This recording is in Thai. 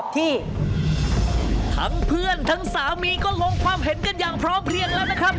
ที่ทั้งเพื่อนทั้งสามีก็ลงความเห็นกันอย่างพร้อมเพลียงแล้วนะครับ